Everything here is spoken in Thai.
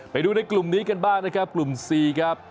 ไปดูในกลุ่มนี้กันบ้างนะครับกลุ่ม๔ครับ